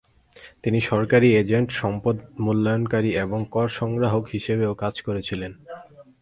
তিনি সরকারি এজেন্ট, সম্পদ মূল্যায়নকারী এবং কর সংগ্রাহক হিসাবেও কাজ করেছিলেন।